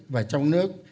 và trong nước